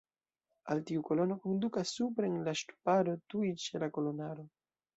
Al tiu kolono kondukas supren la ŝtuparo tuj ĉe la kolonaro.